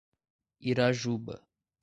Irajuba